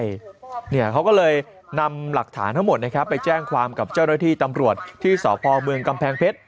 เนี่ยเขาก็เลยนำหลักฐานทั้งหมดนะครับไปแจ้งความกับเจ้าหน้าที่ตำรวจที่สพเมืองกำแพงเพชร